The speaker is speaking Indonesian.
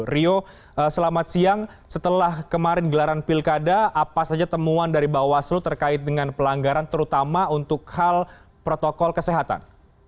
rio selamat siang setelah kemarin gelaran pilkada apa saja temuan dari bawaslu terkait dengan pelanggaran terutama untuk hal protokol kesehatan